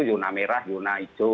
yuna merah yuna hijau